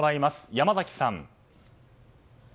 山崎さん。